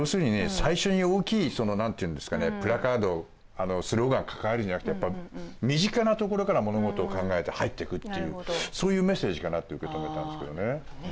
最初に大きい何て言うんですかねプラカードスローガン掲げるんじゃなくてやっぱ身近なところから物事を考えて入っていくっていうそういうメッセージかなって受け止めたんですけどね。